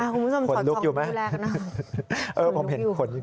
คุณเรียกชอบหนูแรกมันลุกอยู่ไหม